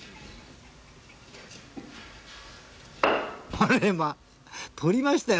あれま、取りましたよ